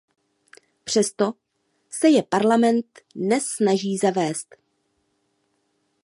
Přesto se je Parlament dnes snaží zavést.